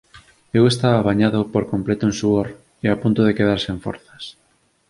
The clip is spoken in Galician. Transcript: Eu estaba bañado por completo en suor e a punto de quedar sen forzas.